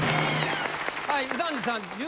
はい。